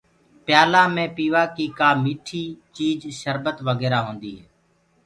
پيآلآ مي پيوآ ڪي ڪآ مٺي چيٚج سربت وگيرا هوندو هي۔